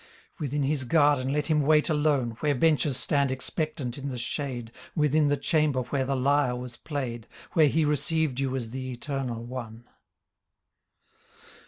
Within his garden let him wait alone Where benches stand expectant in the shade Within the chamber where the lyre was played Where he received you as the eternal One.